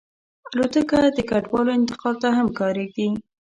الوتکه د کډوالو انتقال ته هم کارېږي.